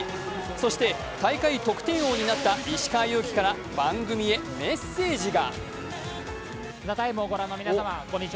そして大会得点王になった石川祐希から番組へメッセージが。